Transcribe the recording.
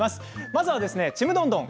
まずは「ちむどんどん」